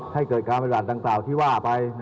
ให้เกิดการประหลาดต่างที่ว่าไป